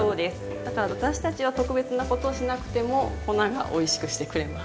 だから私たちが特別なことをしなくても粉がおいしくしてくれます。